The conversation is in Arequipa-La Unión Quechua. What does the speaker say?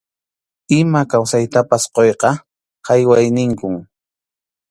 Ima kawsaytapas quyqa hayway ninkum.